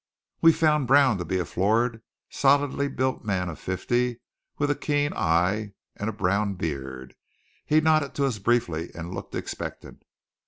We found Brown to be a florid, solidly built man of fifty, with a keen eye and a brown beard. He nodded to us briefly and looked expectant.